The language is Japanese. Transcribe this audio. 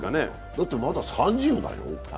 だって、まだ３０だよ。